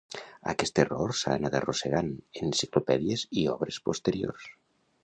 Aquest error s'ha anat arrossegant en enciclopèdies i obres posteriors.